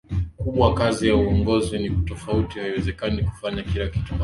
kubwa kazi ya uongozi ni tofauti Haiwezekani kufanya kila kitu pamoja